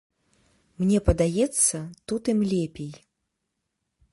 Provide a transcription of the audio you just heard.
Мне падаецца, тут ім лепей.